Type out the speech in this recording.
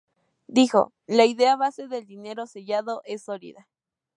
Dijo: “La idea base del dinero sellado es sólida.